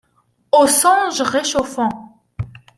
Aux songes réchauffants